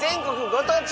ご当地